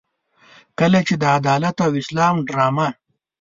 کله چې د عدالت او اسلام ډرامه.